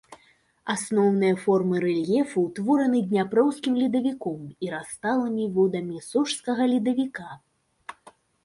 Асноўныя формы рэльефу ўтвораны дняпроўскім ледавіком і расталымі водамі сожскага ледавіка.